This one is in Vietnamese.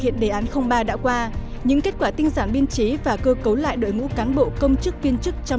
hành hai nghìn ba đã qua những kết quả tinh giản biên chế và cơ cấu lại đội ngũ cán bộ công chức viên chức trong